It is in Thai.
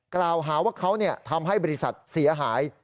กล่าวหาว่าเขาทำให้บริษัทเสียหาย